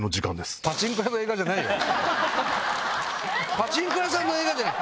パチンコ屋の映画じゃない。